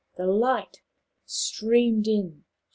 The light streamed in.